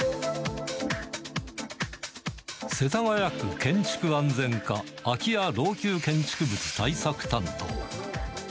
世田谷区建築安全課空家・老朽建築物対策担当。